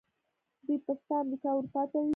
دوی پسته امریکا او اروپا ته لیږي.